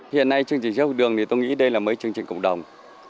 hiện nay chương trình sữa học đường thì tôi nghĩ đây là mấy chương trình cộng đồng